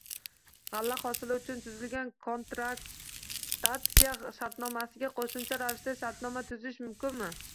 G’alla hosili uchun tuzilgan kontraktatsiya shartnomasiga qo’shimcha ravishda shartnoma tuzish mumkinmi?